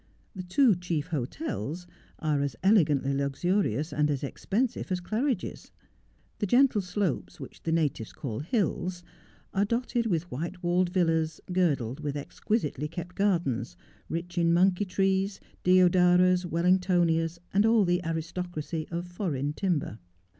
The two chief hotels are as elegantly luxurious and as expensive as Claridge's. The gentle slopes which the natives call hills are dotted with white walled villas, girdled with exquisitely kept gardens, rich in monkey trees, deodaras, Wellingtonias, and all the aristocracy of foreign timber.